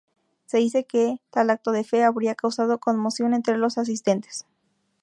Se dice que tal acto de fe, habría causado conmoción entre los asistentes.